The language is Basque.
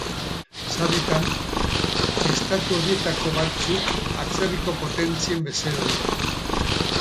Sarritan, estatu horietako batzuk atzerriko potentzien bezero dira.